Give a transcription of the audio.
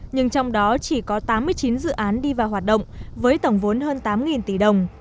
nhưng trong đó chỉ có tám mươi chín dự án đi vào hoạt động với tổng vốn hơn tám tỷ đồng